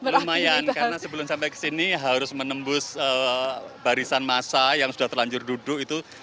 lumayan karena sebelum sampai ke sini harus menembus barisan massa yang sudah terlanjur duduk itu